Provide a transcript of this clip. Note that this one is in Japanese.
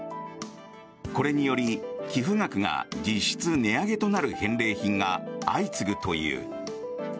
これにより、寄付額が実質値上げとなる返礼品が相次ぐという。